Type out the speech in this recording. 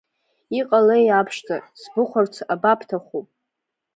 Иҟалеи, аԥшӡа, сбыхәарц абабҭаху?